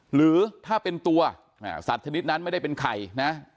หรือถ้าเป็นตัวสัตว์ชนิดนั้นไม่ได้เป็นไข่นะ